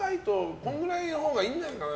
このくらいのほうがいいんじゃないかな。